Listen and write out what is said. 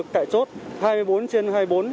hai mươi bốn trên hai mươi bốn